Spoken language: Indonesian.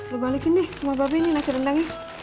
lo balikin nih ke rumah babes nih nasi rendangnya